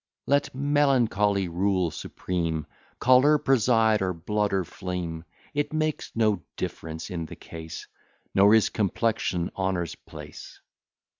Let melancholy rule supreme, Choler preside, or blood, or phlegm, It makes no difference in the case, Nor is complexion honour's place.